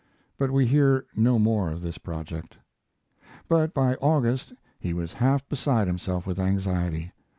But we hear no more of this project. But by August he was half beside himself with anxiety.